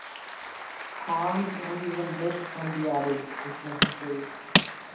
Arms and even legs can be added if necessary.